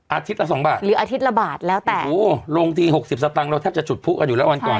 อาทิตย์ละสองบาทหรืออาทิตย์ละบาทแล้วแต่โอ้ลงทีหกสิบสตังค์เราแทบจะจุดผู้กันอยู่แล้ววันก่อน